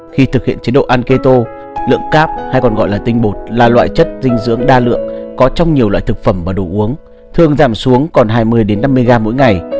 khi thực hiện chế độ ăn ke tô lượng cáp hay còn gọi là tinh bột là loại chất dinh dưỡng đa lượng có trong nhiều loại thực phẩm và đồ uống thường giảm xuống còn hai mươi năm mươi gram mỗi ngày